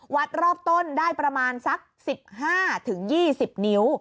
วัดรอบต้นได้ประมาณสัก๑๕๒๐นิ้ว